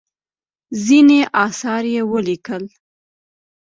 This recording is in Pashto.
ځینې اثار یې ولیکل.